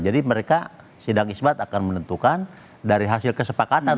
jadi mereka sidang isbat akan menentukan dari hasil kesepakatan